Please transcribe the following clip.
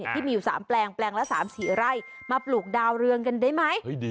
ที่มีอยู่๓แปลงแปลงละ๓๔ไร่มาปลูกดาวเรืองกันได้ไหม